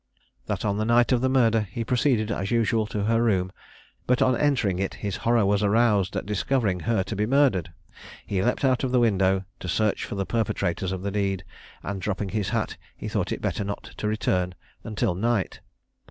That on the night of the murder he proceeded as usual to her room, but on entering it his horror was aroused at discovering her to be murdered. He leaped out at the window to search for the perpetrators of the deed, and dropping his hat he thought it better not to return until night.